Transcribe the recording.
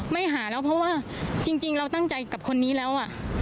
ไม่หาแล้วเพราะว่าจริงเราตั้งใจกับคนนี้แล้ว